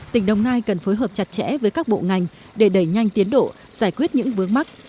tỉnh đồng nai cần phối hợp chặt chẽ với các bộ ngành để đẩy nhanh tiến độ giải quyết những vướng mắt